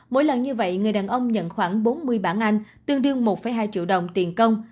mỗi lần như vậy người đàn ông nhận khoảng bốn mươi bản anh tương đương một hai triệu đồng tiền công